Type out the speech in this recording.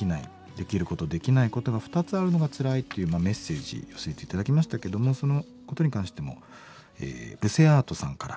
できることできないことが２つあるのがつらい」っていうメッセージ寄せて頂きましたけどもそのことに関してもルセアートさんから。